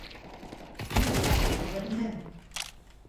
Юҡ, ҡәҙерлем!